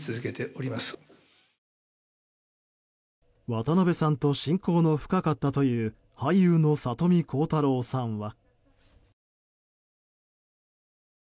渡辺さんと親交の深かったという俳優の里見浩太朗さんは。